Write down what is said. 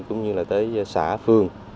cũng như là tới xã phương